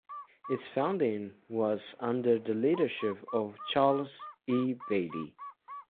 Its founding was under the leadership of Charles E. Bailey.